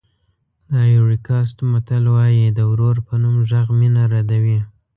د ایوُري کوسټ متل وایي د ورور په نوم غږ مینه ردوي.